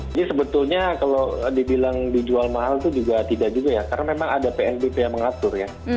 jadi sebetulnya kalau dibilang dijual mahal itu juga tidak juga ya karena memang ada pnbp yang mengatur ya